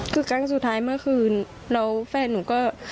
คือครั้งสุดท้ายเมื่อคืนแล้วแฟนหนูก็